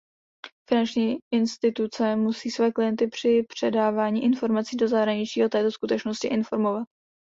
Finanční instituce musí své klienty při předávání informací do zahraničí o této skutečnosti informovat.